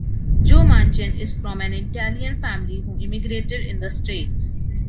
Joe Manchin is from an Italian family who immigrated in the States.